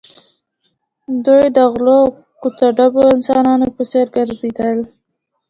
دوی د غلو او کوڅه ډبو انسانانو په څېر ګرځېدل